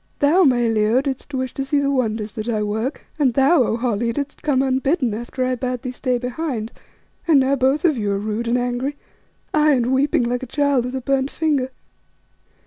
Thou, my Leo, didst wish to see the wonders that I work, and thou, O Holly, didst come unbidden after I bade thee stay behind, and now both of you are rude and angry, aye, and weeping like a child with a burnt finger.